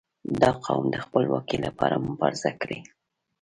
• دا قوم د خپلواکي لپاره مبارزه کړې.